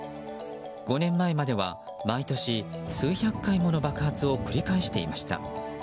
５年前までは毎年、数百回もの爆発を繰り返していました。